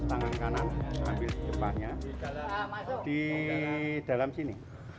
tangan kanan ambil jepahnya di dalam sini